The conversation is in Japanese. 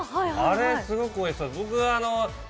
あれ、すごくおいしそう。